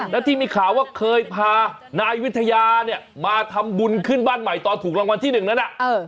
แล้วที่มีข่าวว่าเคยพานายวิทยาเนี่ยมาทำบุญขึ้นบ้านใหม่ตอนถูกรางวัลที่หนึ่งนั้น